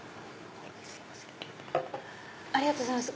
ありがとうございます。